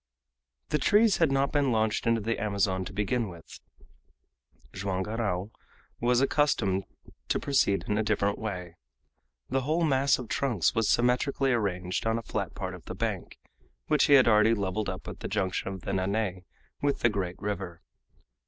The trees had not been launched into the Amazon to begin with; Joam Garral was accustomed to proceed in a different way. The whole mass of trunks was symmetrically arranged on a flat part of the bank, which he had already leveled up at the junction of the Nanay with the great river.